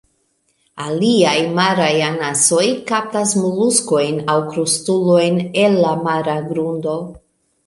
Aliaj maraj anasoj kaptas moluskojn aŭ krustulojn el la mara grundo.